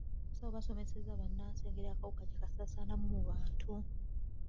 Abasawo basomesezza bannansi ku ngeri akawuka gye kasaasaanamu mu bantu.